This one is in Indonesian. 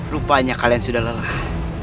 rupanya kalian sudah lelah